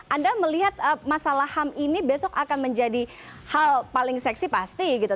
anda melihat masalah ham ini besok akan menjadi hal paling seksi pasti gitu